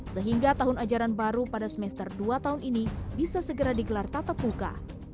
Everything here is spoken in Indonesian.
sehingga tahun ajaran baru pada semester dua tahun ini bisa segera digelar tatap muka